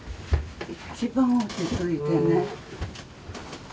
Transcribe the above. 一番落ち着いてね。